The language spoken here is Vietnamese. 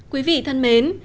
quý vị thân mến